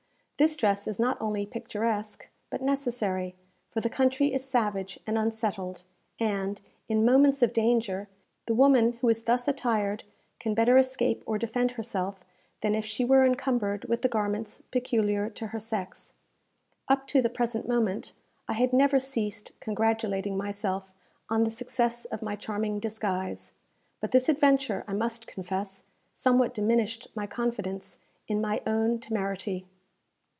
This dress is not only picturesque, but necessary; for the country is savage and unsettled, and, in moments of danger, the woman who is thus attired can better escape or defend herself than if she were encumbered with the garments peculiar to her sex. Up to the present moment I had never ceased congratulating myself on the success of my charming disguise; but this adventure, I must confess, somewhat diminished my confidence in my own temerity.